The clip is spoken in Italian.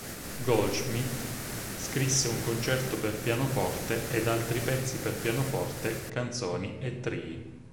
Goldschmidt scrisse un concerto per pianoforte ed altri pezzi per pianoforte, canzoni e trii.